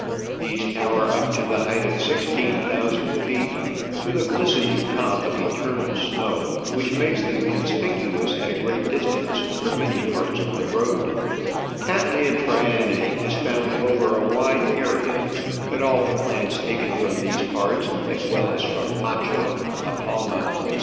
These tower up to the height of sixteen thousand feet, with a glistening top of eternal snow, which makes them conspicuous at a great distance from many parts of the road. Cattleya Digitized by VjOOQIC i6o Travels and Adventures Trianc^ is found over a wide area, but all the plants taken from these parts, as well as from Pacho, La Palma, etc.